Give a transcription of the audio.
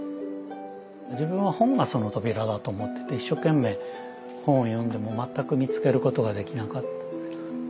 自分は本がその扉だと思ってて一生懸命本を読んでも全く見つけることができなかった。